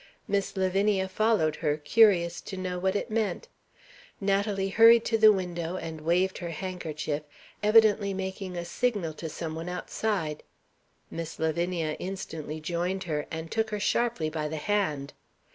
Miss Lavinia followed her, curious to know what it meant. Natalie hurried to the window, and waved her handkerchief evidently making a signal to some one outside. Miss Lavinia instantly joined her, and took her sharply by the hand.